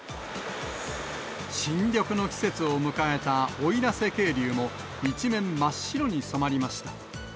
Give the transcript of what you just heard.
新緑の季節を迎えた奥入瀬渓流も、一面、真っ白に染まりました。